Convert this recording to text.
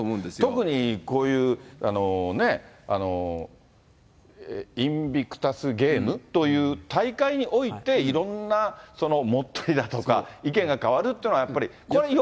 特にこういうね、インビクタス・ゲームという大会において、いろんな盛ったりだとか意見が変わるっていうのはやっぱりこれよ